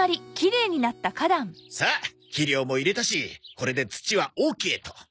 さあ肥料も入れたしこれで土はオーケーと。